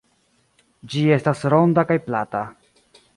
Ĝi estas ronda kaj plata.